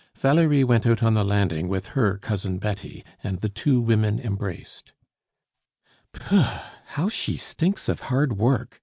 Valerie went out on the landing with her Cousin Betty, and the two women embraced. "Pouh! How she stinks of hard work!"